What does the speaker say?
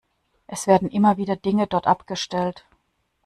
Es werden immer wieder Dinge dort abgestellt.